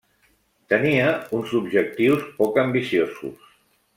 Tenia uns objectius poc ambiciosos.